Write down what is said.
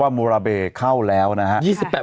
อาบมุลเบเข้าแล้วเวลาอะไรนะครับ